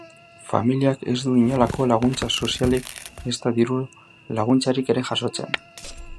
Familiak ez du inolako laguntza sozialik ezta diru-laguntzarik ere jasotzen.